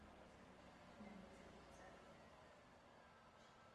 Posuzování dopadů jsou ústředním nástrojem zákonodárství.